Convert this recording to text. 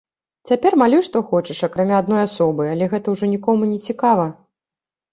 Цяпер малюй што хочаш, акрамя адной асобы, але гэта ўжо нікому нецікава.